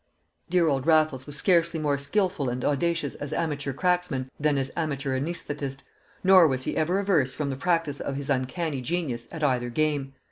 Dear old Raffles was scarcely more skilful and audacious as amateur cracksman than as amateur anaesthetist, nor was he ever averse from the practice of his uncanny genius at either game.